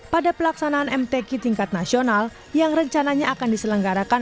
pada pelaksanaan mtk tingkat nasional yang rencananya akan diselenggarakan